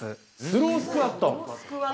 スロースクワット？